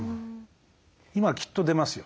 今きっと出ますよ。